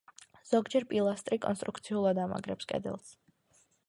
ზოგჯერ პილასტრი კონსტრუქციულად ამაგრებს კედელს.